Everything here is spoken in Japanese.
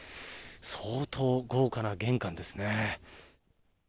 相当豪華な玄関ですね。